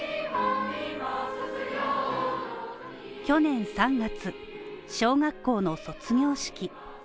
去年３月、小学校の卒業式。